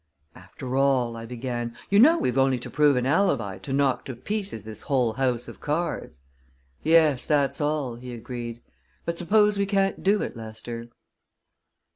"After all," I began, "you know we've only to prove an alibi to knock to pieces this whole house of cards." "Yes, that's all," he agreed. "But suppose we can't do it, Lester?"